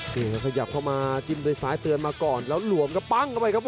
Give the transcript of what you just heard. นี่ครับขยับเข้ามาจิ้มด้วยซ้ายเตือนมาก่อนแล้วหลวมครับปั้งเข้าไปครับ